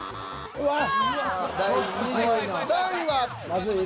うわっ。